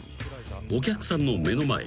［お客さんの目の前。